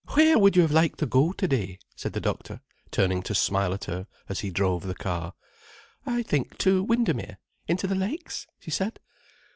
"Where would you have liked to go today?" said the doctor, turning to smile at her as he drove the car. "I think to Windermere—into the Lakes," she said.